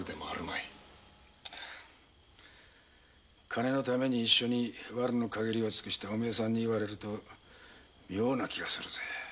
金のためにワルを尽くしたお前さんに言われると妙な気がするぜ。